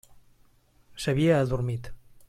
S'havia adormit.